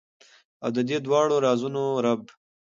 او ددې دواړو رازونو رب ،